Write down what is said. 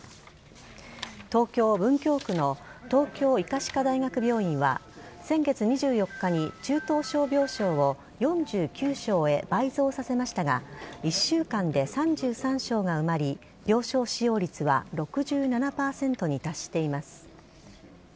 東京・文京区の東京医科歯科大学病院は、先月２４日に中等症病床を４９床へ倍増させましたが、１週間で３３床が埋まり、病床使用率は６７％に達しています。